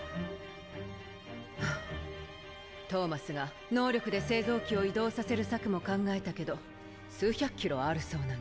ハァトーマスが能力で製造機を移動させる策も考えたけど数百キロあるそうなの。